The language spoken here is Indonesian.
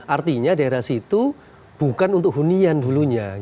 artinya daerah situ bukan untuk hunian hulunya